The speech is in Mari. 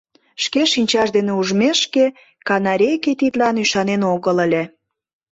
Шке шинчаж дене ужмешке, канарейке тидлан ӱшанен огыл ыле.